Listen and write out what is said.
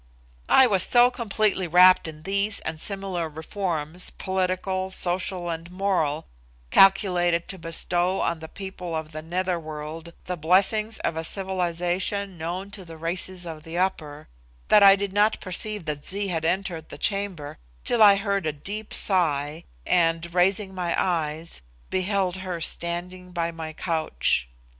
I was so completely rapt in these and similar reforms, political, social, and moral, calculated to bestow on the people of the nether world the blessings of a civilisation known to the races of the upper, that I did not perceive that Zee had entered the chamber till I heard a deep sigh, and, raising my eyes, beheld her standing by my couch.